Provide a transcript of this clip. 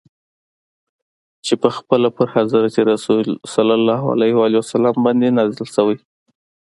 چي پخپله پر حضرت رسول ص باندي نازل سوی.